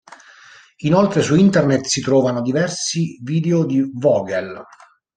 Inoltre su Internet si trovano diversi video di Vogel.